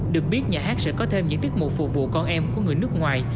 được biết nhà hát sẽ có thêm những tiết mục phục vụ con em của người nước ngoài